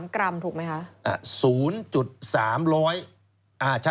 กรัมถูกไหมคะ